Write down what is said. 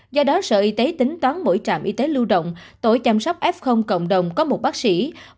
do đó sở y tế tính toán mỗi trạm y tế lưu động tổ chăm sóc f cộng đồng có một bác sĩ